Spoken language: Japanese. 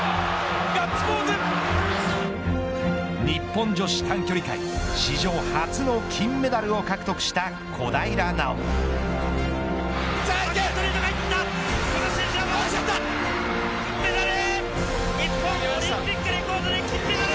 日本女子短距離界史上初の金メダルを獲得した小平奈緒。